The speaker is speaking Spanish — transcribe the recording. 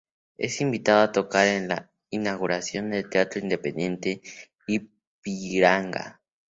Es invitado a tocar en la inauguración del Teatro Independiente Ipiranga.